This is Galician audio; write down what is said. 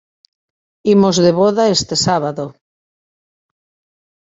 Imos de voda este sábado.